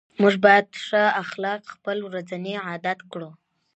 موږ باید ښه اخلاق خپل ورځني عادت کړو